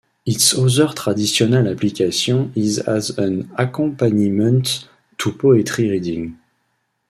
Its other traditional application is as an accompaniment to poetry readings.